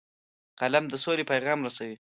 قلم د سولې پیغام رسوي